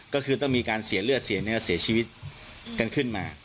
ก็คือต้องมีการเสียเลือดเสียเนื้อเสียชีวิตกันขึ้นมา